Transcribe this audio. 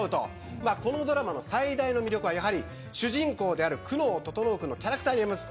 このドラマの最大の魅力は主人公である久能整君のキャラクターです。